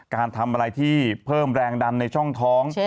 การทำอะไรที่เพิ่มแรงดันในช่องท้อง